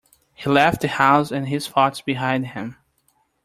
He left the house and his thoughts behind him.